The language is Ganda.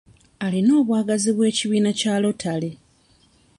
Alina obwagazi bw'ekibiina kya lotale.